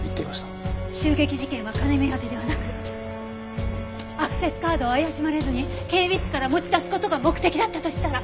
襲撃事件は金目当てではなくアクセスカードを怪しまれずに警備室から持ち出す事が目的だったとしたら。